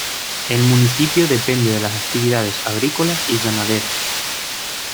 El municipio depende de las actividades agrícolas y ganaderas.